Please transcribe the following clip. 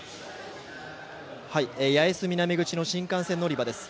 八重洲南口の新幹線乗り場です。